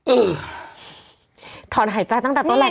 เออถอนหายจากตั้งแต่ต้นหลังการเลย